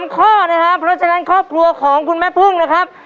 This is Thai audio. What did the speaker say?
ข้อนะครับเพราะฉะนั้นครอบครัวของคุณแม่พึ่งนะครับ